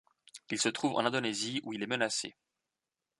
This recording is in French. Il se trouve en Indonésie où il est menacé.